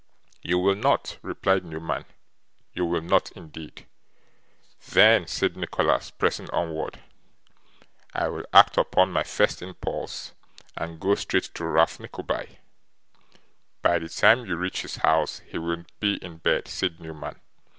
'You will not,' replied Newman. 'You will not, indeed.' 'Then,' said Nicholas, pressing onward, 'I will act upon my first impulse, and go straight to Ralph Nickleby.' 'By the time you reach his house he will be in bed,' said Newman.